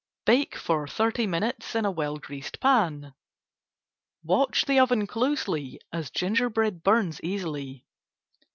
Bake for thirty minutes in a well greased pan. Watch oven closely, as ginger bread burns easily.